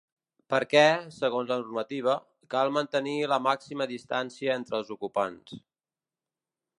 Perquè, segons la normativa, cal mantenir la màxima distància entre els ocupants.